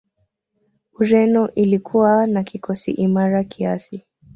ureno ilikuwa na kikosi imara kiasi